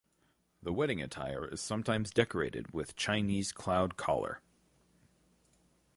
The Wedding attire is sometimes decorated with Chinese cloud collar.